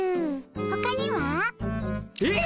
ほかには？えっ？